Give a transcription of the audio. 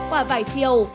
quả vải thiều